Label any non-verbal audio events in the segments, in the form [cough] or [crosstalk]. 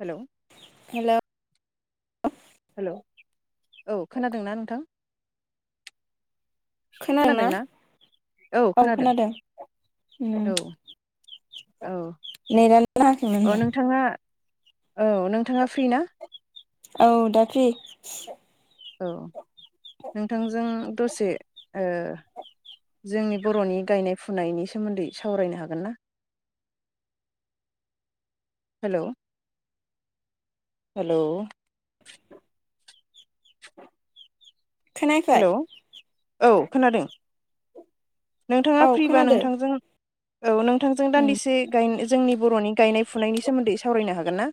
Hello. Hello hello औ खोनादोंना नोंथां? खोनादों ना खोनादोंना औ खोनादों औ औ नेदानो नाङाखैमोन। अ नोंथाङा औ नोंथाङा फ्रि ना? औ दा फ्रि औ नोंथां। जों दसे ओ जोंनि बर'नि गायनाय फुनायनि सोमोन्दै सावरायनो हागोन ना हेलौ। हेलौ खोनायाखै हेलौ औ खोनादों। नोंथाङा औ फ्रिबा खोनादो नोंथांजों औ नोंथांजों उम दान्दिसे गाय जोंनि बर'नि गायनाय फुनायनि सोमोन्दै सावरायनो हागोन ना?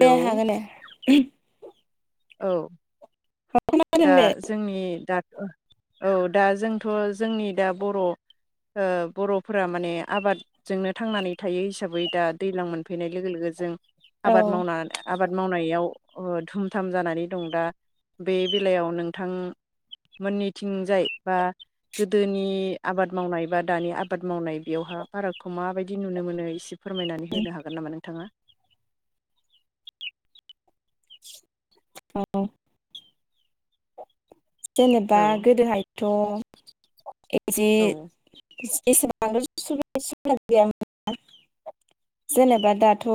दे हागोन ने औ। दा खोनादों दे जोंनि दा औ दा जोंथ' जोंनि दा बर' ओ बर'फोरा माने आबादजोंनो थांनानै थायो हिसाबै दा दैयलां मोनफैनाय लोगो लोगो जों औ आबाद मावना आबाद मावनायाव ओ धुम दाम जानानै दं दा बे बेलायाव नोंथां मोननैथिंजाय बा गोदोनि आबाद मावनाय बा दानि आबाद मावनाय बेयावहा फारागखौ माबायदि नुनो मोनो एसे फोरमायनानै होनो हागोन नामा नोंथाङा? [inaudible] जेनेबा औ गोदोहाय थ' एसे औ एस [unintelligible] जेनेबा दाथ'